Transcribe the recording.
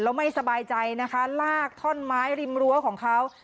แล้วไม่สบายใจนะคะลากท่อนไม้ริมรั้วของเขา